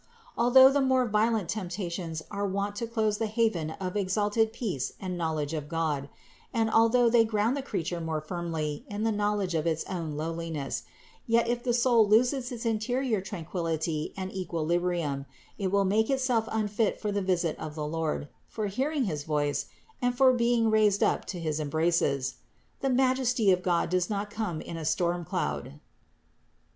Although the more violent temptations are wont to close the haven of exalted peace and knowledge of God, and although they ground the creature more firmly in the knowledge of its own lowliness; yet if the soul loses its interior tran quillity and equilibrium, it will make itself unfit for the visit of the Lord, for hearing his voice, and for being raised up to his embraces. The Majesty of God does not come in a stormcloud (III.